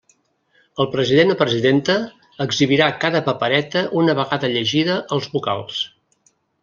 El president o presidenta exhibirà cada papereta una vegada llegida als vocals.